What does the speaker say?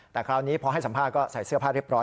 แต่คราวนี้พอให้สัมภาษณ์ก็ใส่เสื้อผ้าเรียบร้อ